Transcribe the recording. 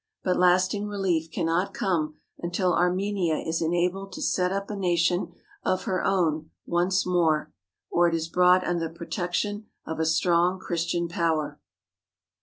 But lasting relief cannot come until Ar menia is enabled to set up a nation of her own once more, or is brought under the protection of a strong Christian power.